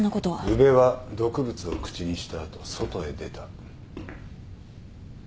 宇部は毒物を口にした後外へ出た。